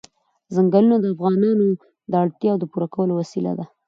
ځنګلونه د افغانانو د اړتیاوو د پوره کولو وسیله ده.